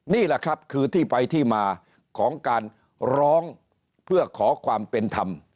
นี่แหละครับคือที่ไปที่มาของการร้องเพื่อขอความเป็นธรรม